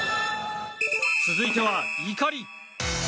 続いては、怒り。